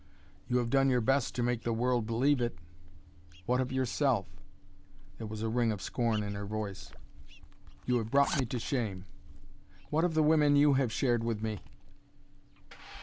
"You have done your best to make the world believe it." "What of yourself?" There was a ring of scorn in her voice. "You have brought me to shame!" "What of the women you have shared with me?"